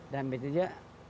dan berarti dia